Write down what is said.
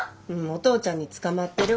お父ちゃんに捕まってるわ。